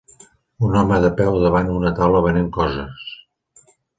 Un home de peu davant una taula venent coses.